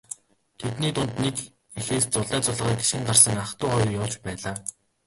Тэдний дунд нэг эхээс зулай зулайгаа гишгэн гарсан ах дүү хоёр явж байлаа.